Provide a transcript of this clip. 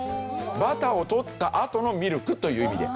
バターを取ったあとのミルクという意味で。